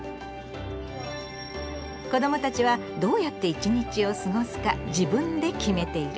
子どもたちはどうやって一日を過ごすか自分で決めている。